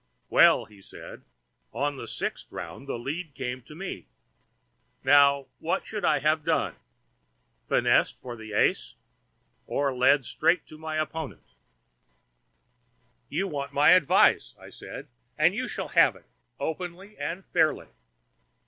"Well," he said, "on the sixth round the lead came to me. Now, what should I have done? Finessed for the ace, or led straight into my opponent—" "You want my advice," I said, "and you shall have it, openly and fairly.